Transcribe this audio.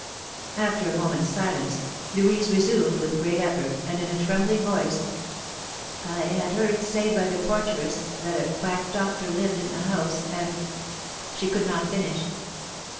After a moment's silence, Louise resumed with great effort, and in a trembling voice: "I had heard say by the porteress that a quack doctor lived in the house, and, " She could not finish.